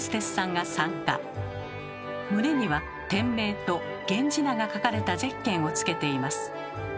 胸には店名と源氏名が書かれたゼッケンをつけています。